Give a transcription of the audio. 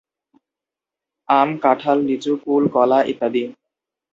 আম, কাঁঠাল, লিচু, কুল, কলা ইত্যাদি।